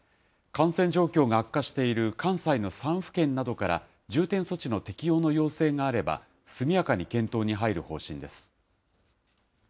感染状況が悪化している関西の３府県などから重点措置の適用の要請があれば、速やかに検討に入る方針です。